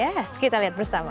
yes kita lihat bersama